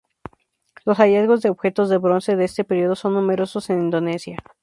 Los hallazgos de objetos de bronce de este período son numerosos en Indonesia.